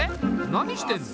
何してんの？